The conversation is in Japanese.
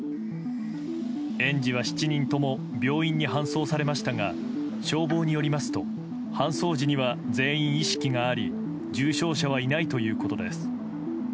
園児は７人とも病院に搬送されましたが消防によりますと搬送時には全員意識があり重傷者はいないということです。